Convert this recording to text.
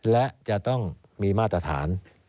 และจะต้องมีมาตรฐาน